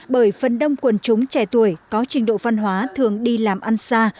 bởi phần đông quần chúng trẻ tuổi có trình độ văn hóa thường đi làm ăn xa